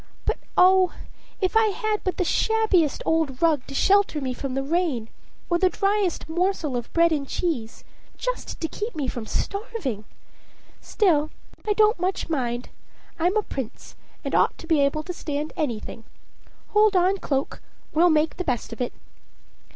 But oh! if I had but the shabbiest old rug to shelter me from the rain, or the driest morsel of bread and cheese, just to keep me from starving! Still, I don't much mind; I'm a prince, and ought to be able to stand anything. Hold on, cloak, we'll make the best of it."